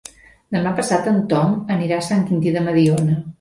Demà passat en Tom anirà a Sant Quintí de Mediona.